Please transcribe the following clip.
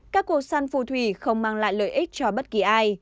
các cuộc săn phù thủy không mang lại lợi ích cho bất kỳ ai